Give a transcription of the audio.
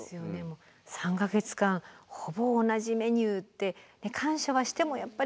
３か月間ほぼ同じメニューって感謝はしてもやっぱり。